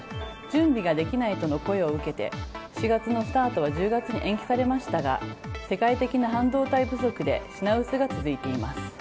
準備ができないとの声を受けて４月のスタートは１０月に延期されましたが世界的な半導体不足で品薄が続いています。